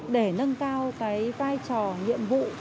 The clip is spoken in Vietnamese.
để nâng cao cái vai trò nhiệm vụ